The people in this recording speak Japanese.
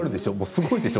すごいでしょ？